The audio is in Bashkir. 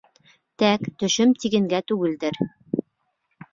— Тәк, төшөм тигенгә түгелдер.